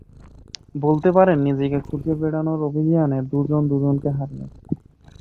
বলতে পারেন, নিজেকে খুঁজে বেডানোর অভিযানে, দুজন, দুজনকে হারিয়েছি।